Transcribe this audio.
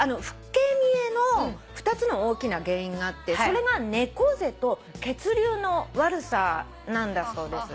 老け見えの２つの大きな原因があってそれが猫背と血流の悪さなんだそうです。